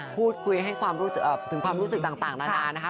พูดคุยถึงความรู้สึกต่างนะคะ